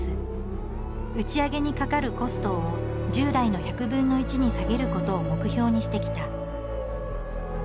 打ち上げにかかるコストを従来の１００分の１に下げることを目標にしてきた。